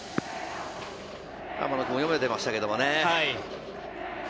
雨野君も読めていましたけどね。